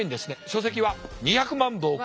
書籍は２００万部を超え。